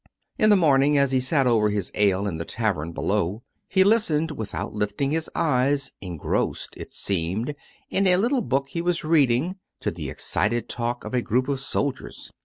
In the morning, as he sat over his ale in the tavern be low, he listened, without lifting his eyes, engrossed, it seemed, in a little book he was reading, to the excited talk of a group of soldiers.